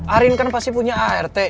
arin kan pasti punya art